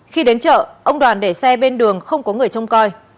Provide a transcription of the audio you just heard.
khi đến chợ ông đoàn để xe bên đường không có người trông coi